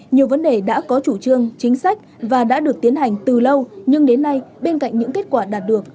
nhiều vấn đề đã có chủ trương chính sách và đã được tiến hành từ lâu nhưng đến nay bên cạnh những kết quả đạt được